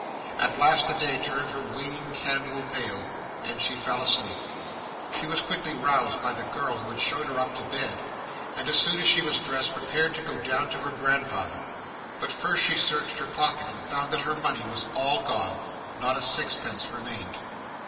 At last the day turned her waning candle pale, and she fell asleep. She was quickly roused by the girl who had shown her up to bed; and, as soon as she was dressed, prepared to go down to her grandfather. But first she searched her pocket and found that her money was all gone not a sixpence remained.